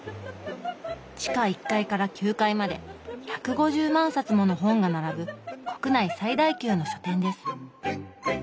地下１階から９階まで１５０万冊もの本が並ぶ国内最大級の書店です。